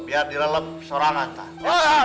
biar direlep sorangatan